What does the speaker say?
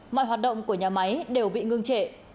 mọi hoạt động của nhà máy đều bị ngưng trệ